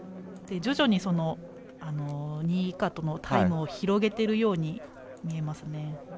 徐々に２位以下とのタイムを広げているように見えますね。